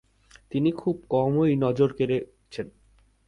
তিনি খুব কমই নজর কেড়েছেন।